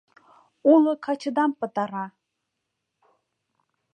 Уло качыдам пытара!